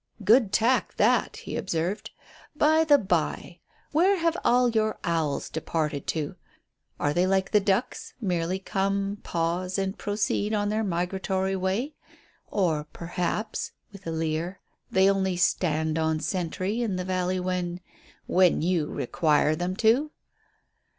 "Good tack, that," he observed. "By the bye, where have all your owls departed to? Are they like the ducks, merely come, pause, and proceed on their migratory way? Or perhaps" with a leer "they only stand on sentry in the valley when when you require them to."